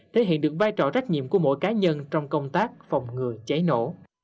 thể hiện được vai trò trách nhiệm của mỗi cá nhân trong công tác phòng ngừa cháy nổ